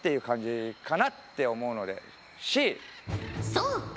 そうか。